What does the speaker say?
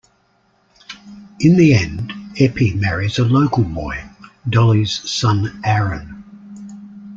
In the end, Eppie marries a local boy, Dolly's son Aaron.